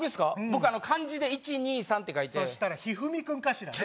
僕漢字で一二三って書いてそしたらひふみ君かしらね